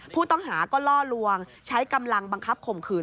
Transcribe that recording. ผู้ต้องหาก็ล่อลวงใช้กำลังบังคับข่มขืน